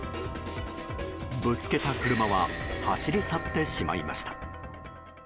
ぶつけた車は走り去ってしまいました。